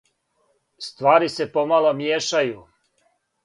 "Ствари се помало мијешају."